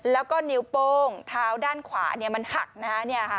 แล้วก็นิ้วโป้งเท้าด้านขวามันหักนะฮะ